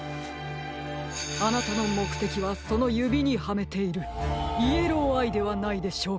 あなたのもくてきはそのゆびにはめているイエローアイではないでしょうか？